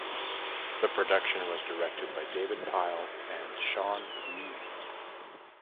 The production was directed by David Pyle and Sean Mee.